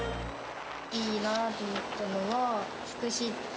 いいなと思ったのは、つくし。